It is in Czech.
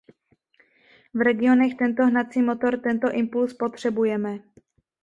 V regionech tento hnací motor, tento impuls potřebujeme.